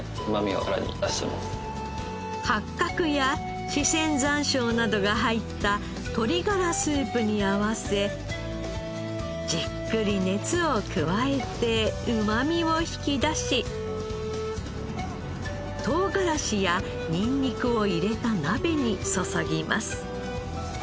八角や四川山椒などが入った鶏ガラスープに合わせじっくり熱を加えてうまみを引き出し唐辛子やにんにくを入れた鍋に注ぎます。